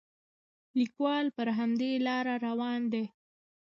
لیکوال پر همدې لاره روان دی.